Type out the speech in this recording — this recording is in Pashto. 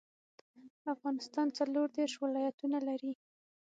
افغانستان څلور ديرش ولايتونه لري.